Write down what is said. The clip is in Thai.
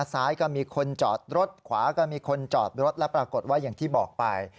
ซ้ายก็มีคนจอดรถขวาก็มีคนจอดรถแล้วปรากฏว่าอย่างที่บอกไป